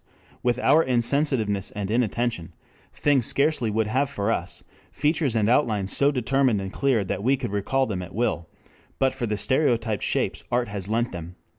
What with our insensitiveness and inattention, things scarcely would have for us features and outlines so determined and clear that we could recall them at will, but for the stereotyped shapes art has lent them."